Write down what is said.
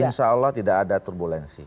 insya allah tidak ada turbulensi